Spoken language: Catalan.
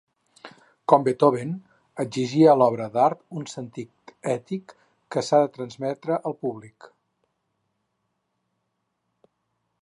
Com Beethoven, exigia a l'obra d'art un sentit ètic que s'ha de transmetre al públic.